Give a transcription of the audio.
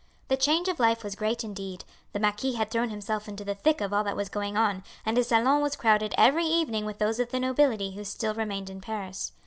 The change of life was great indeed; the marquis had thrown himself into the thick of all that was going on, and his salon was crowded every evening with those of the nobility who still remained In Paris.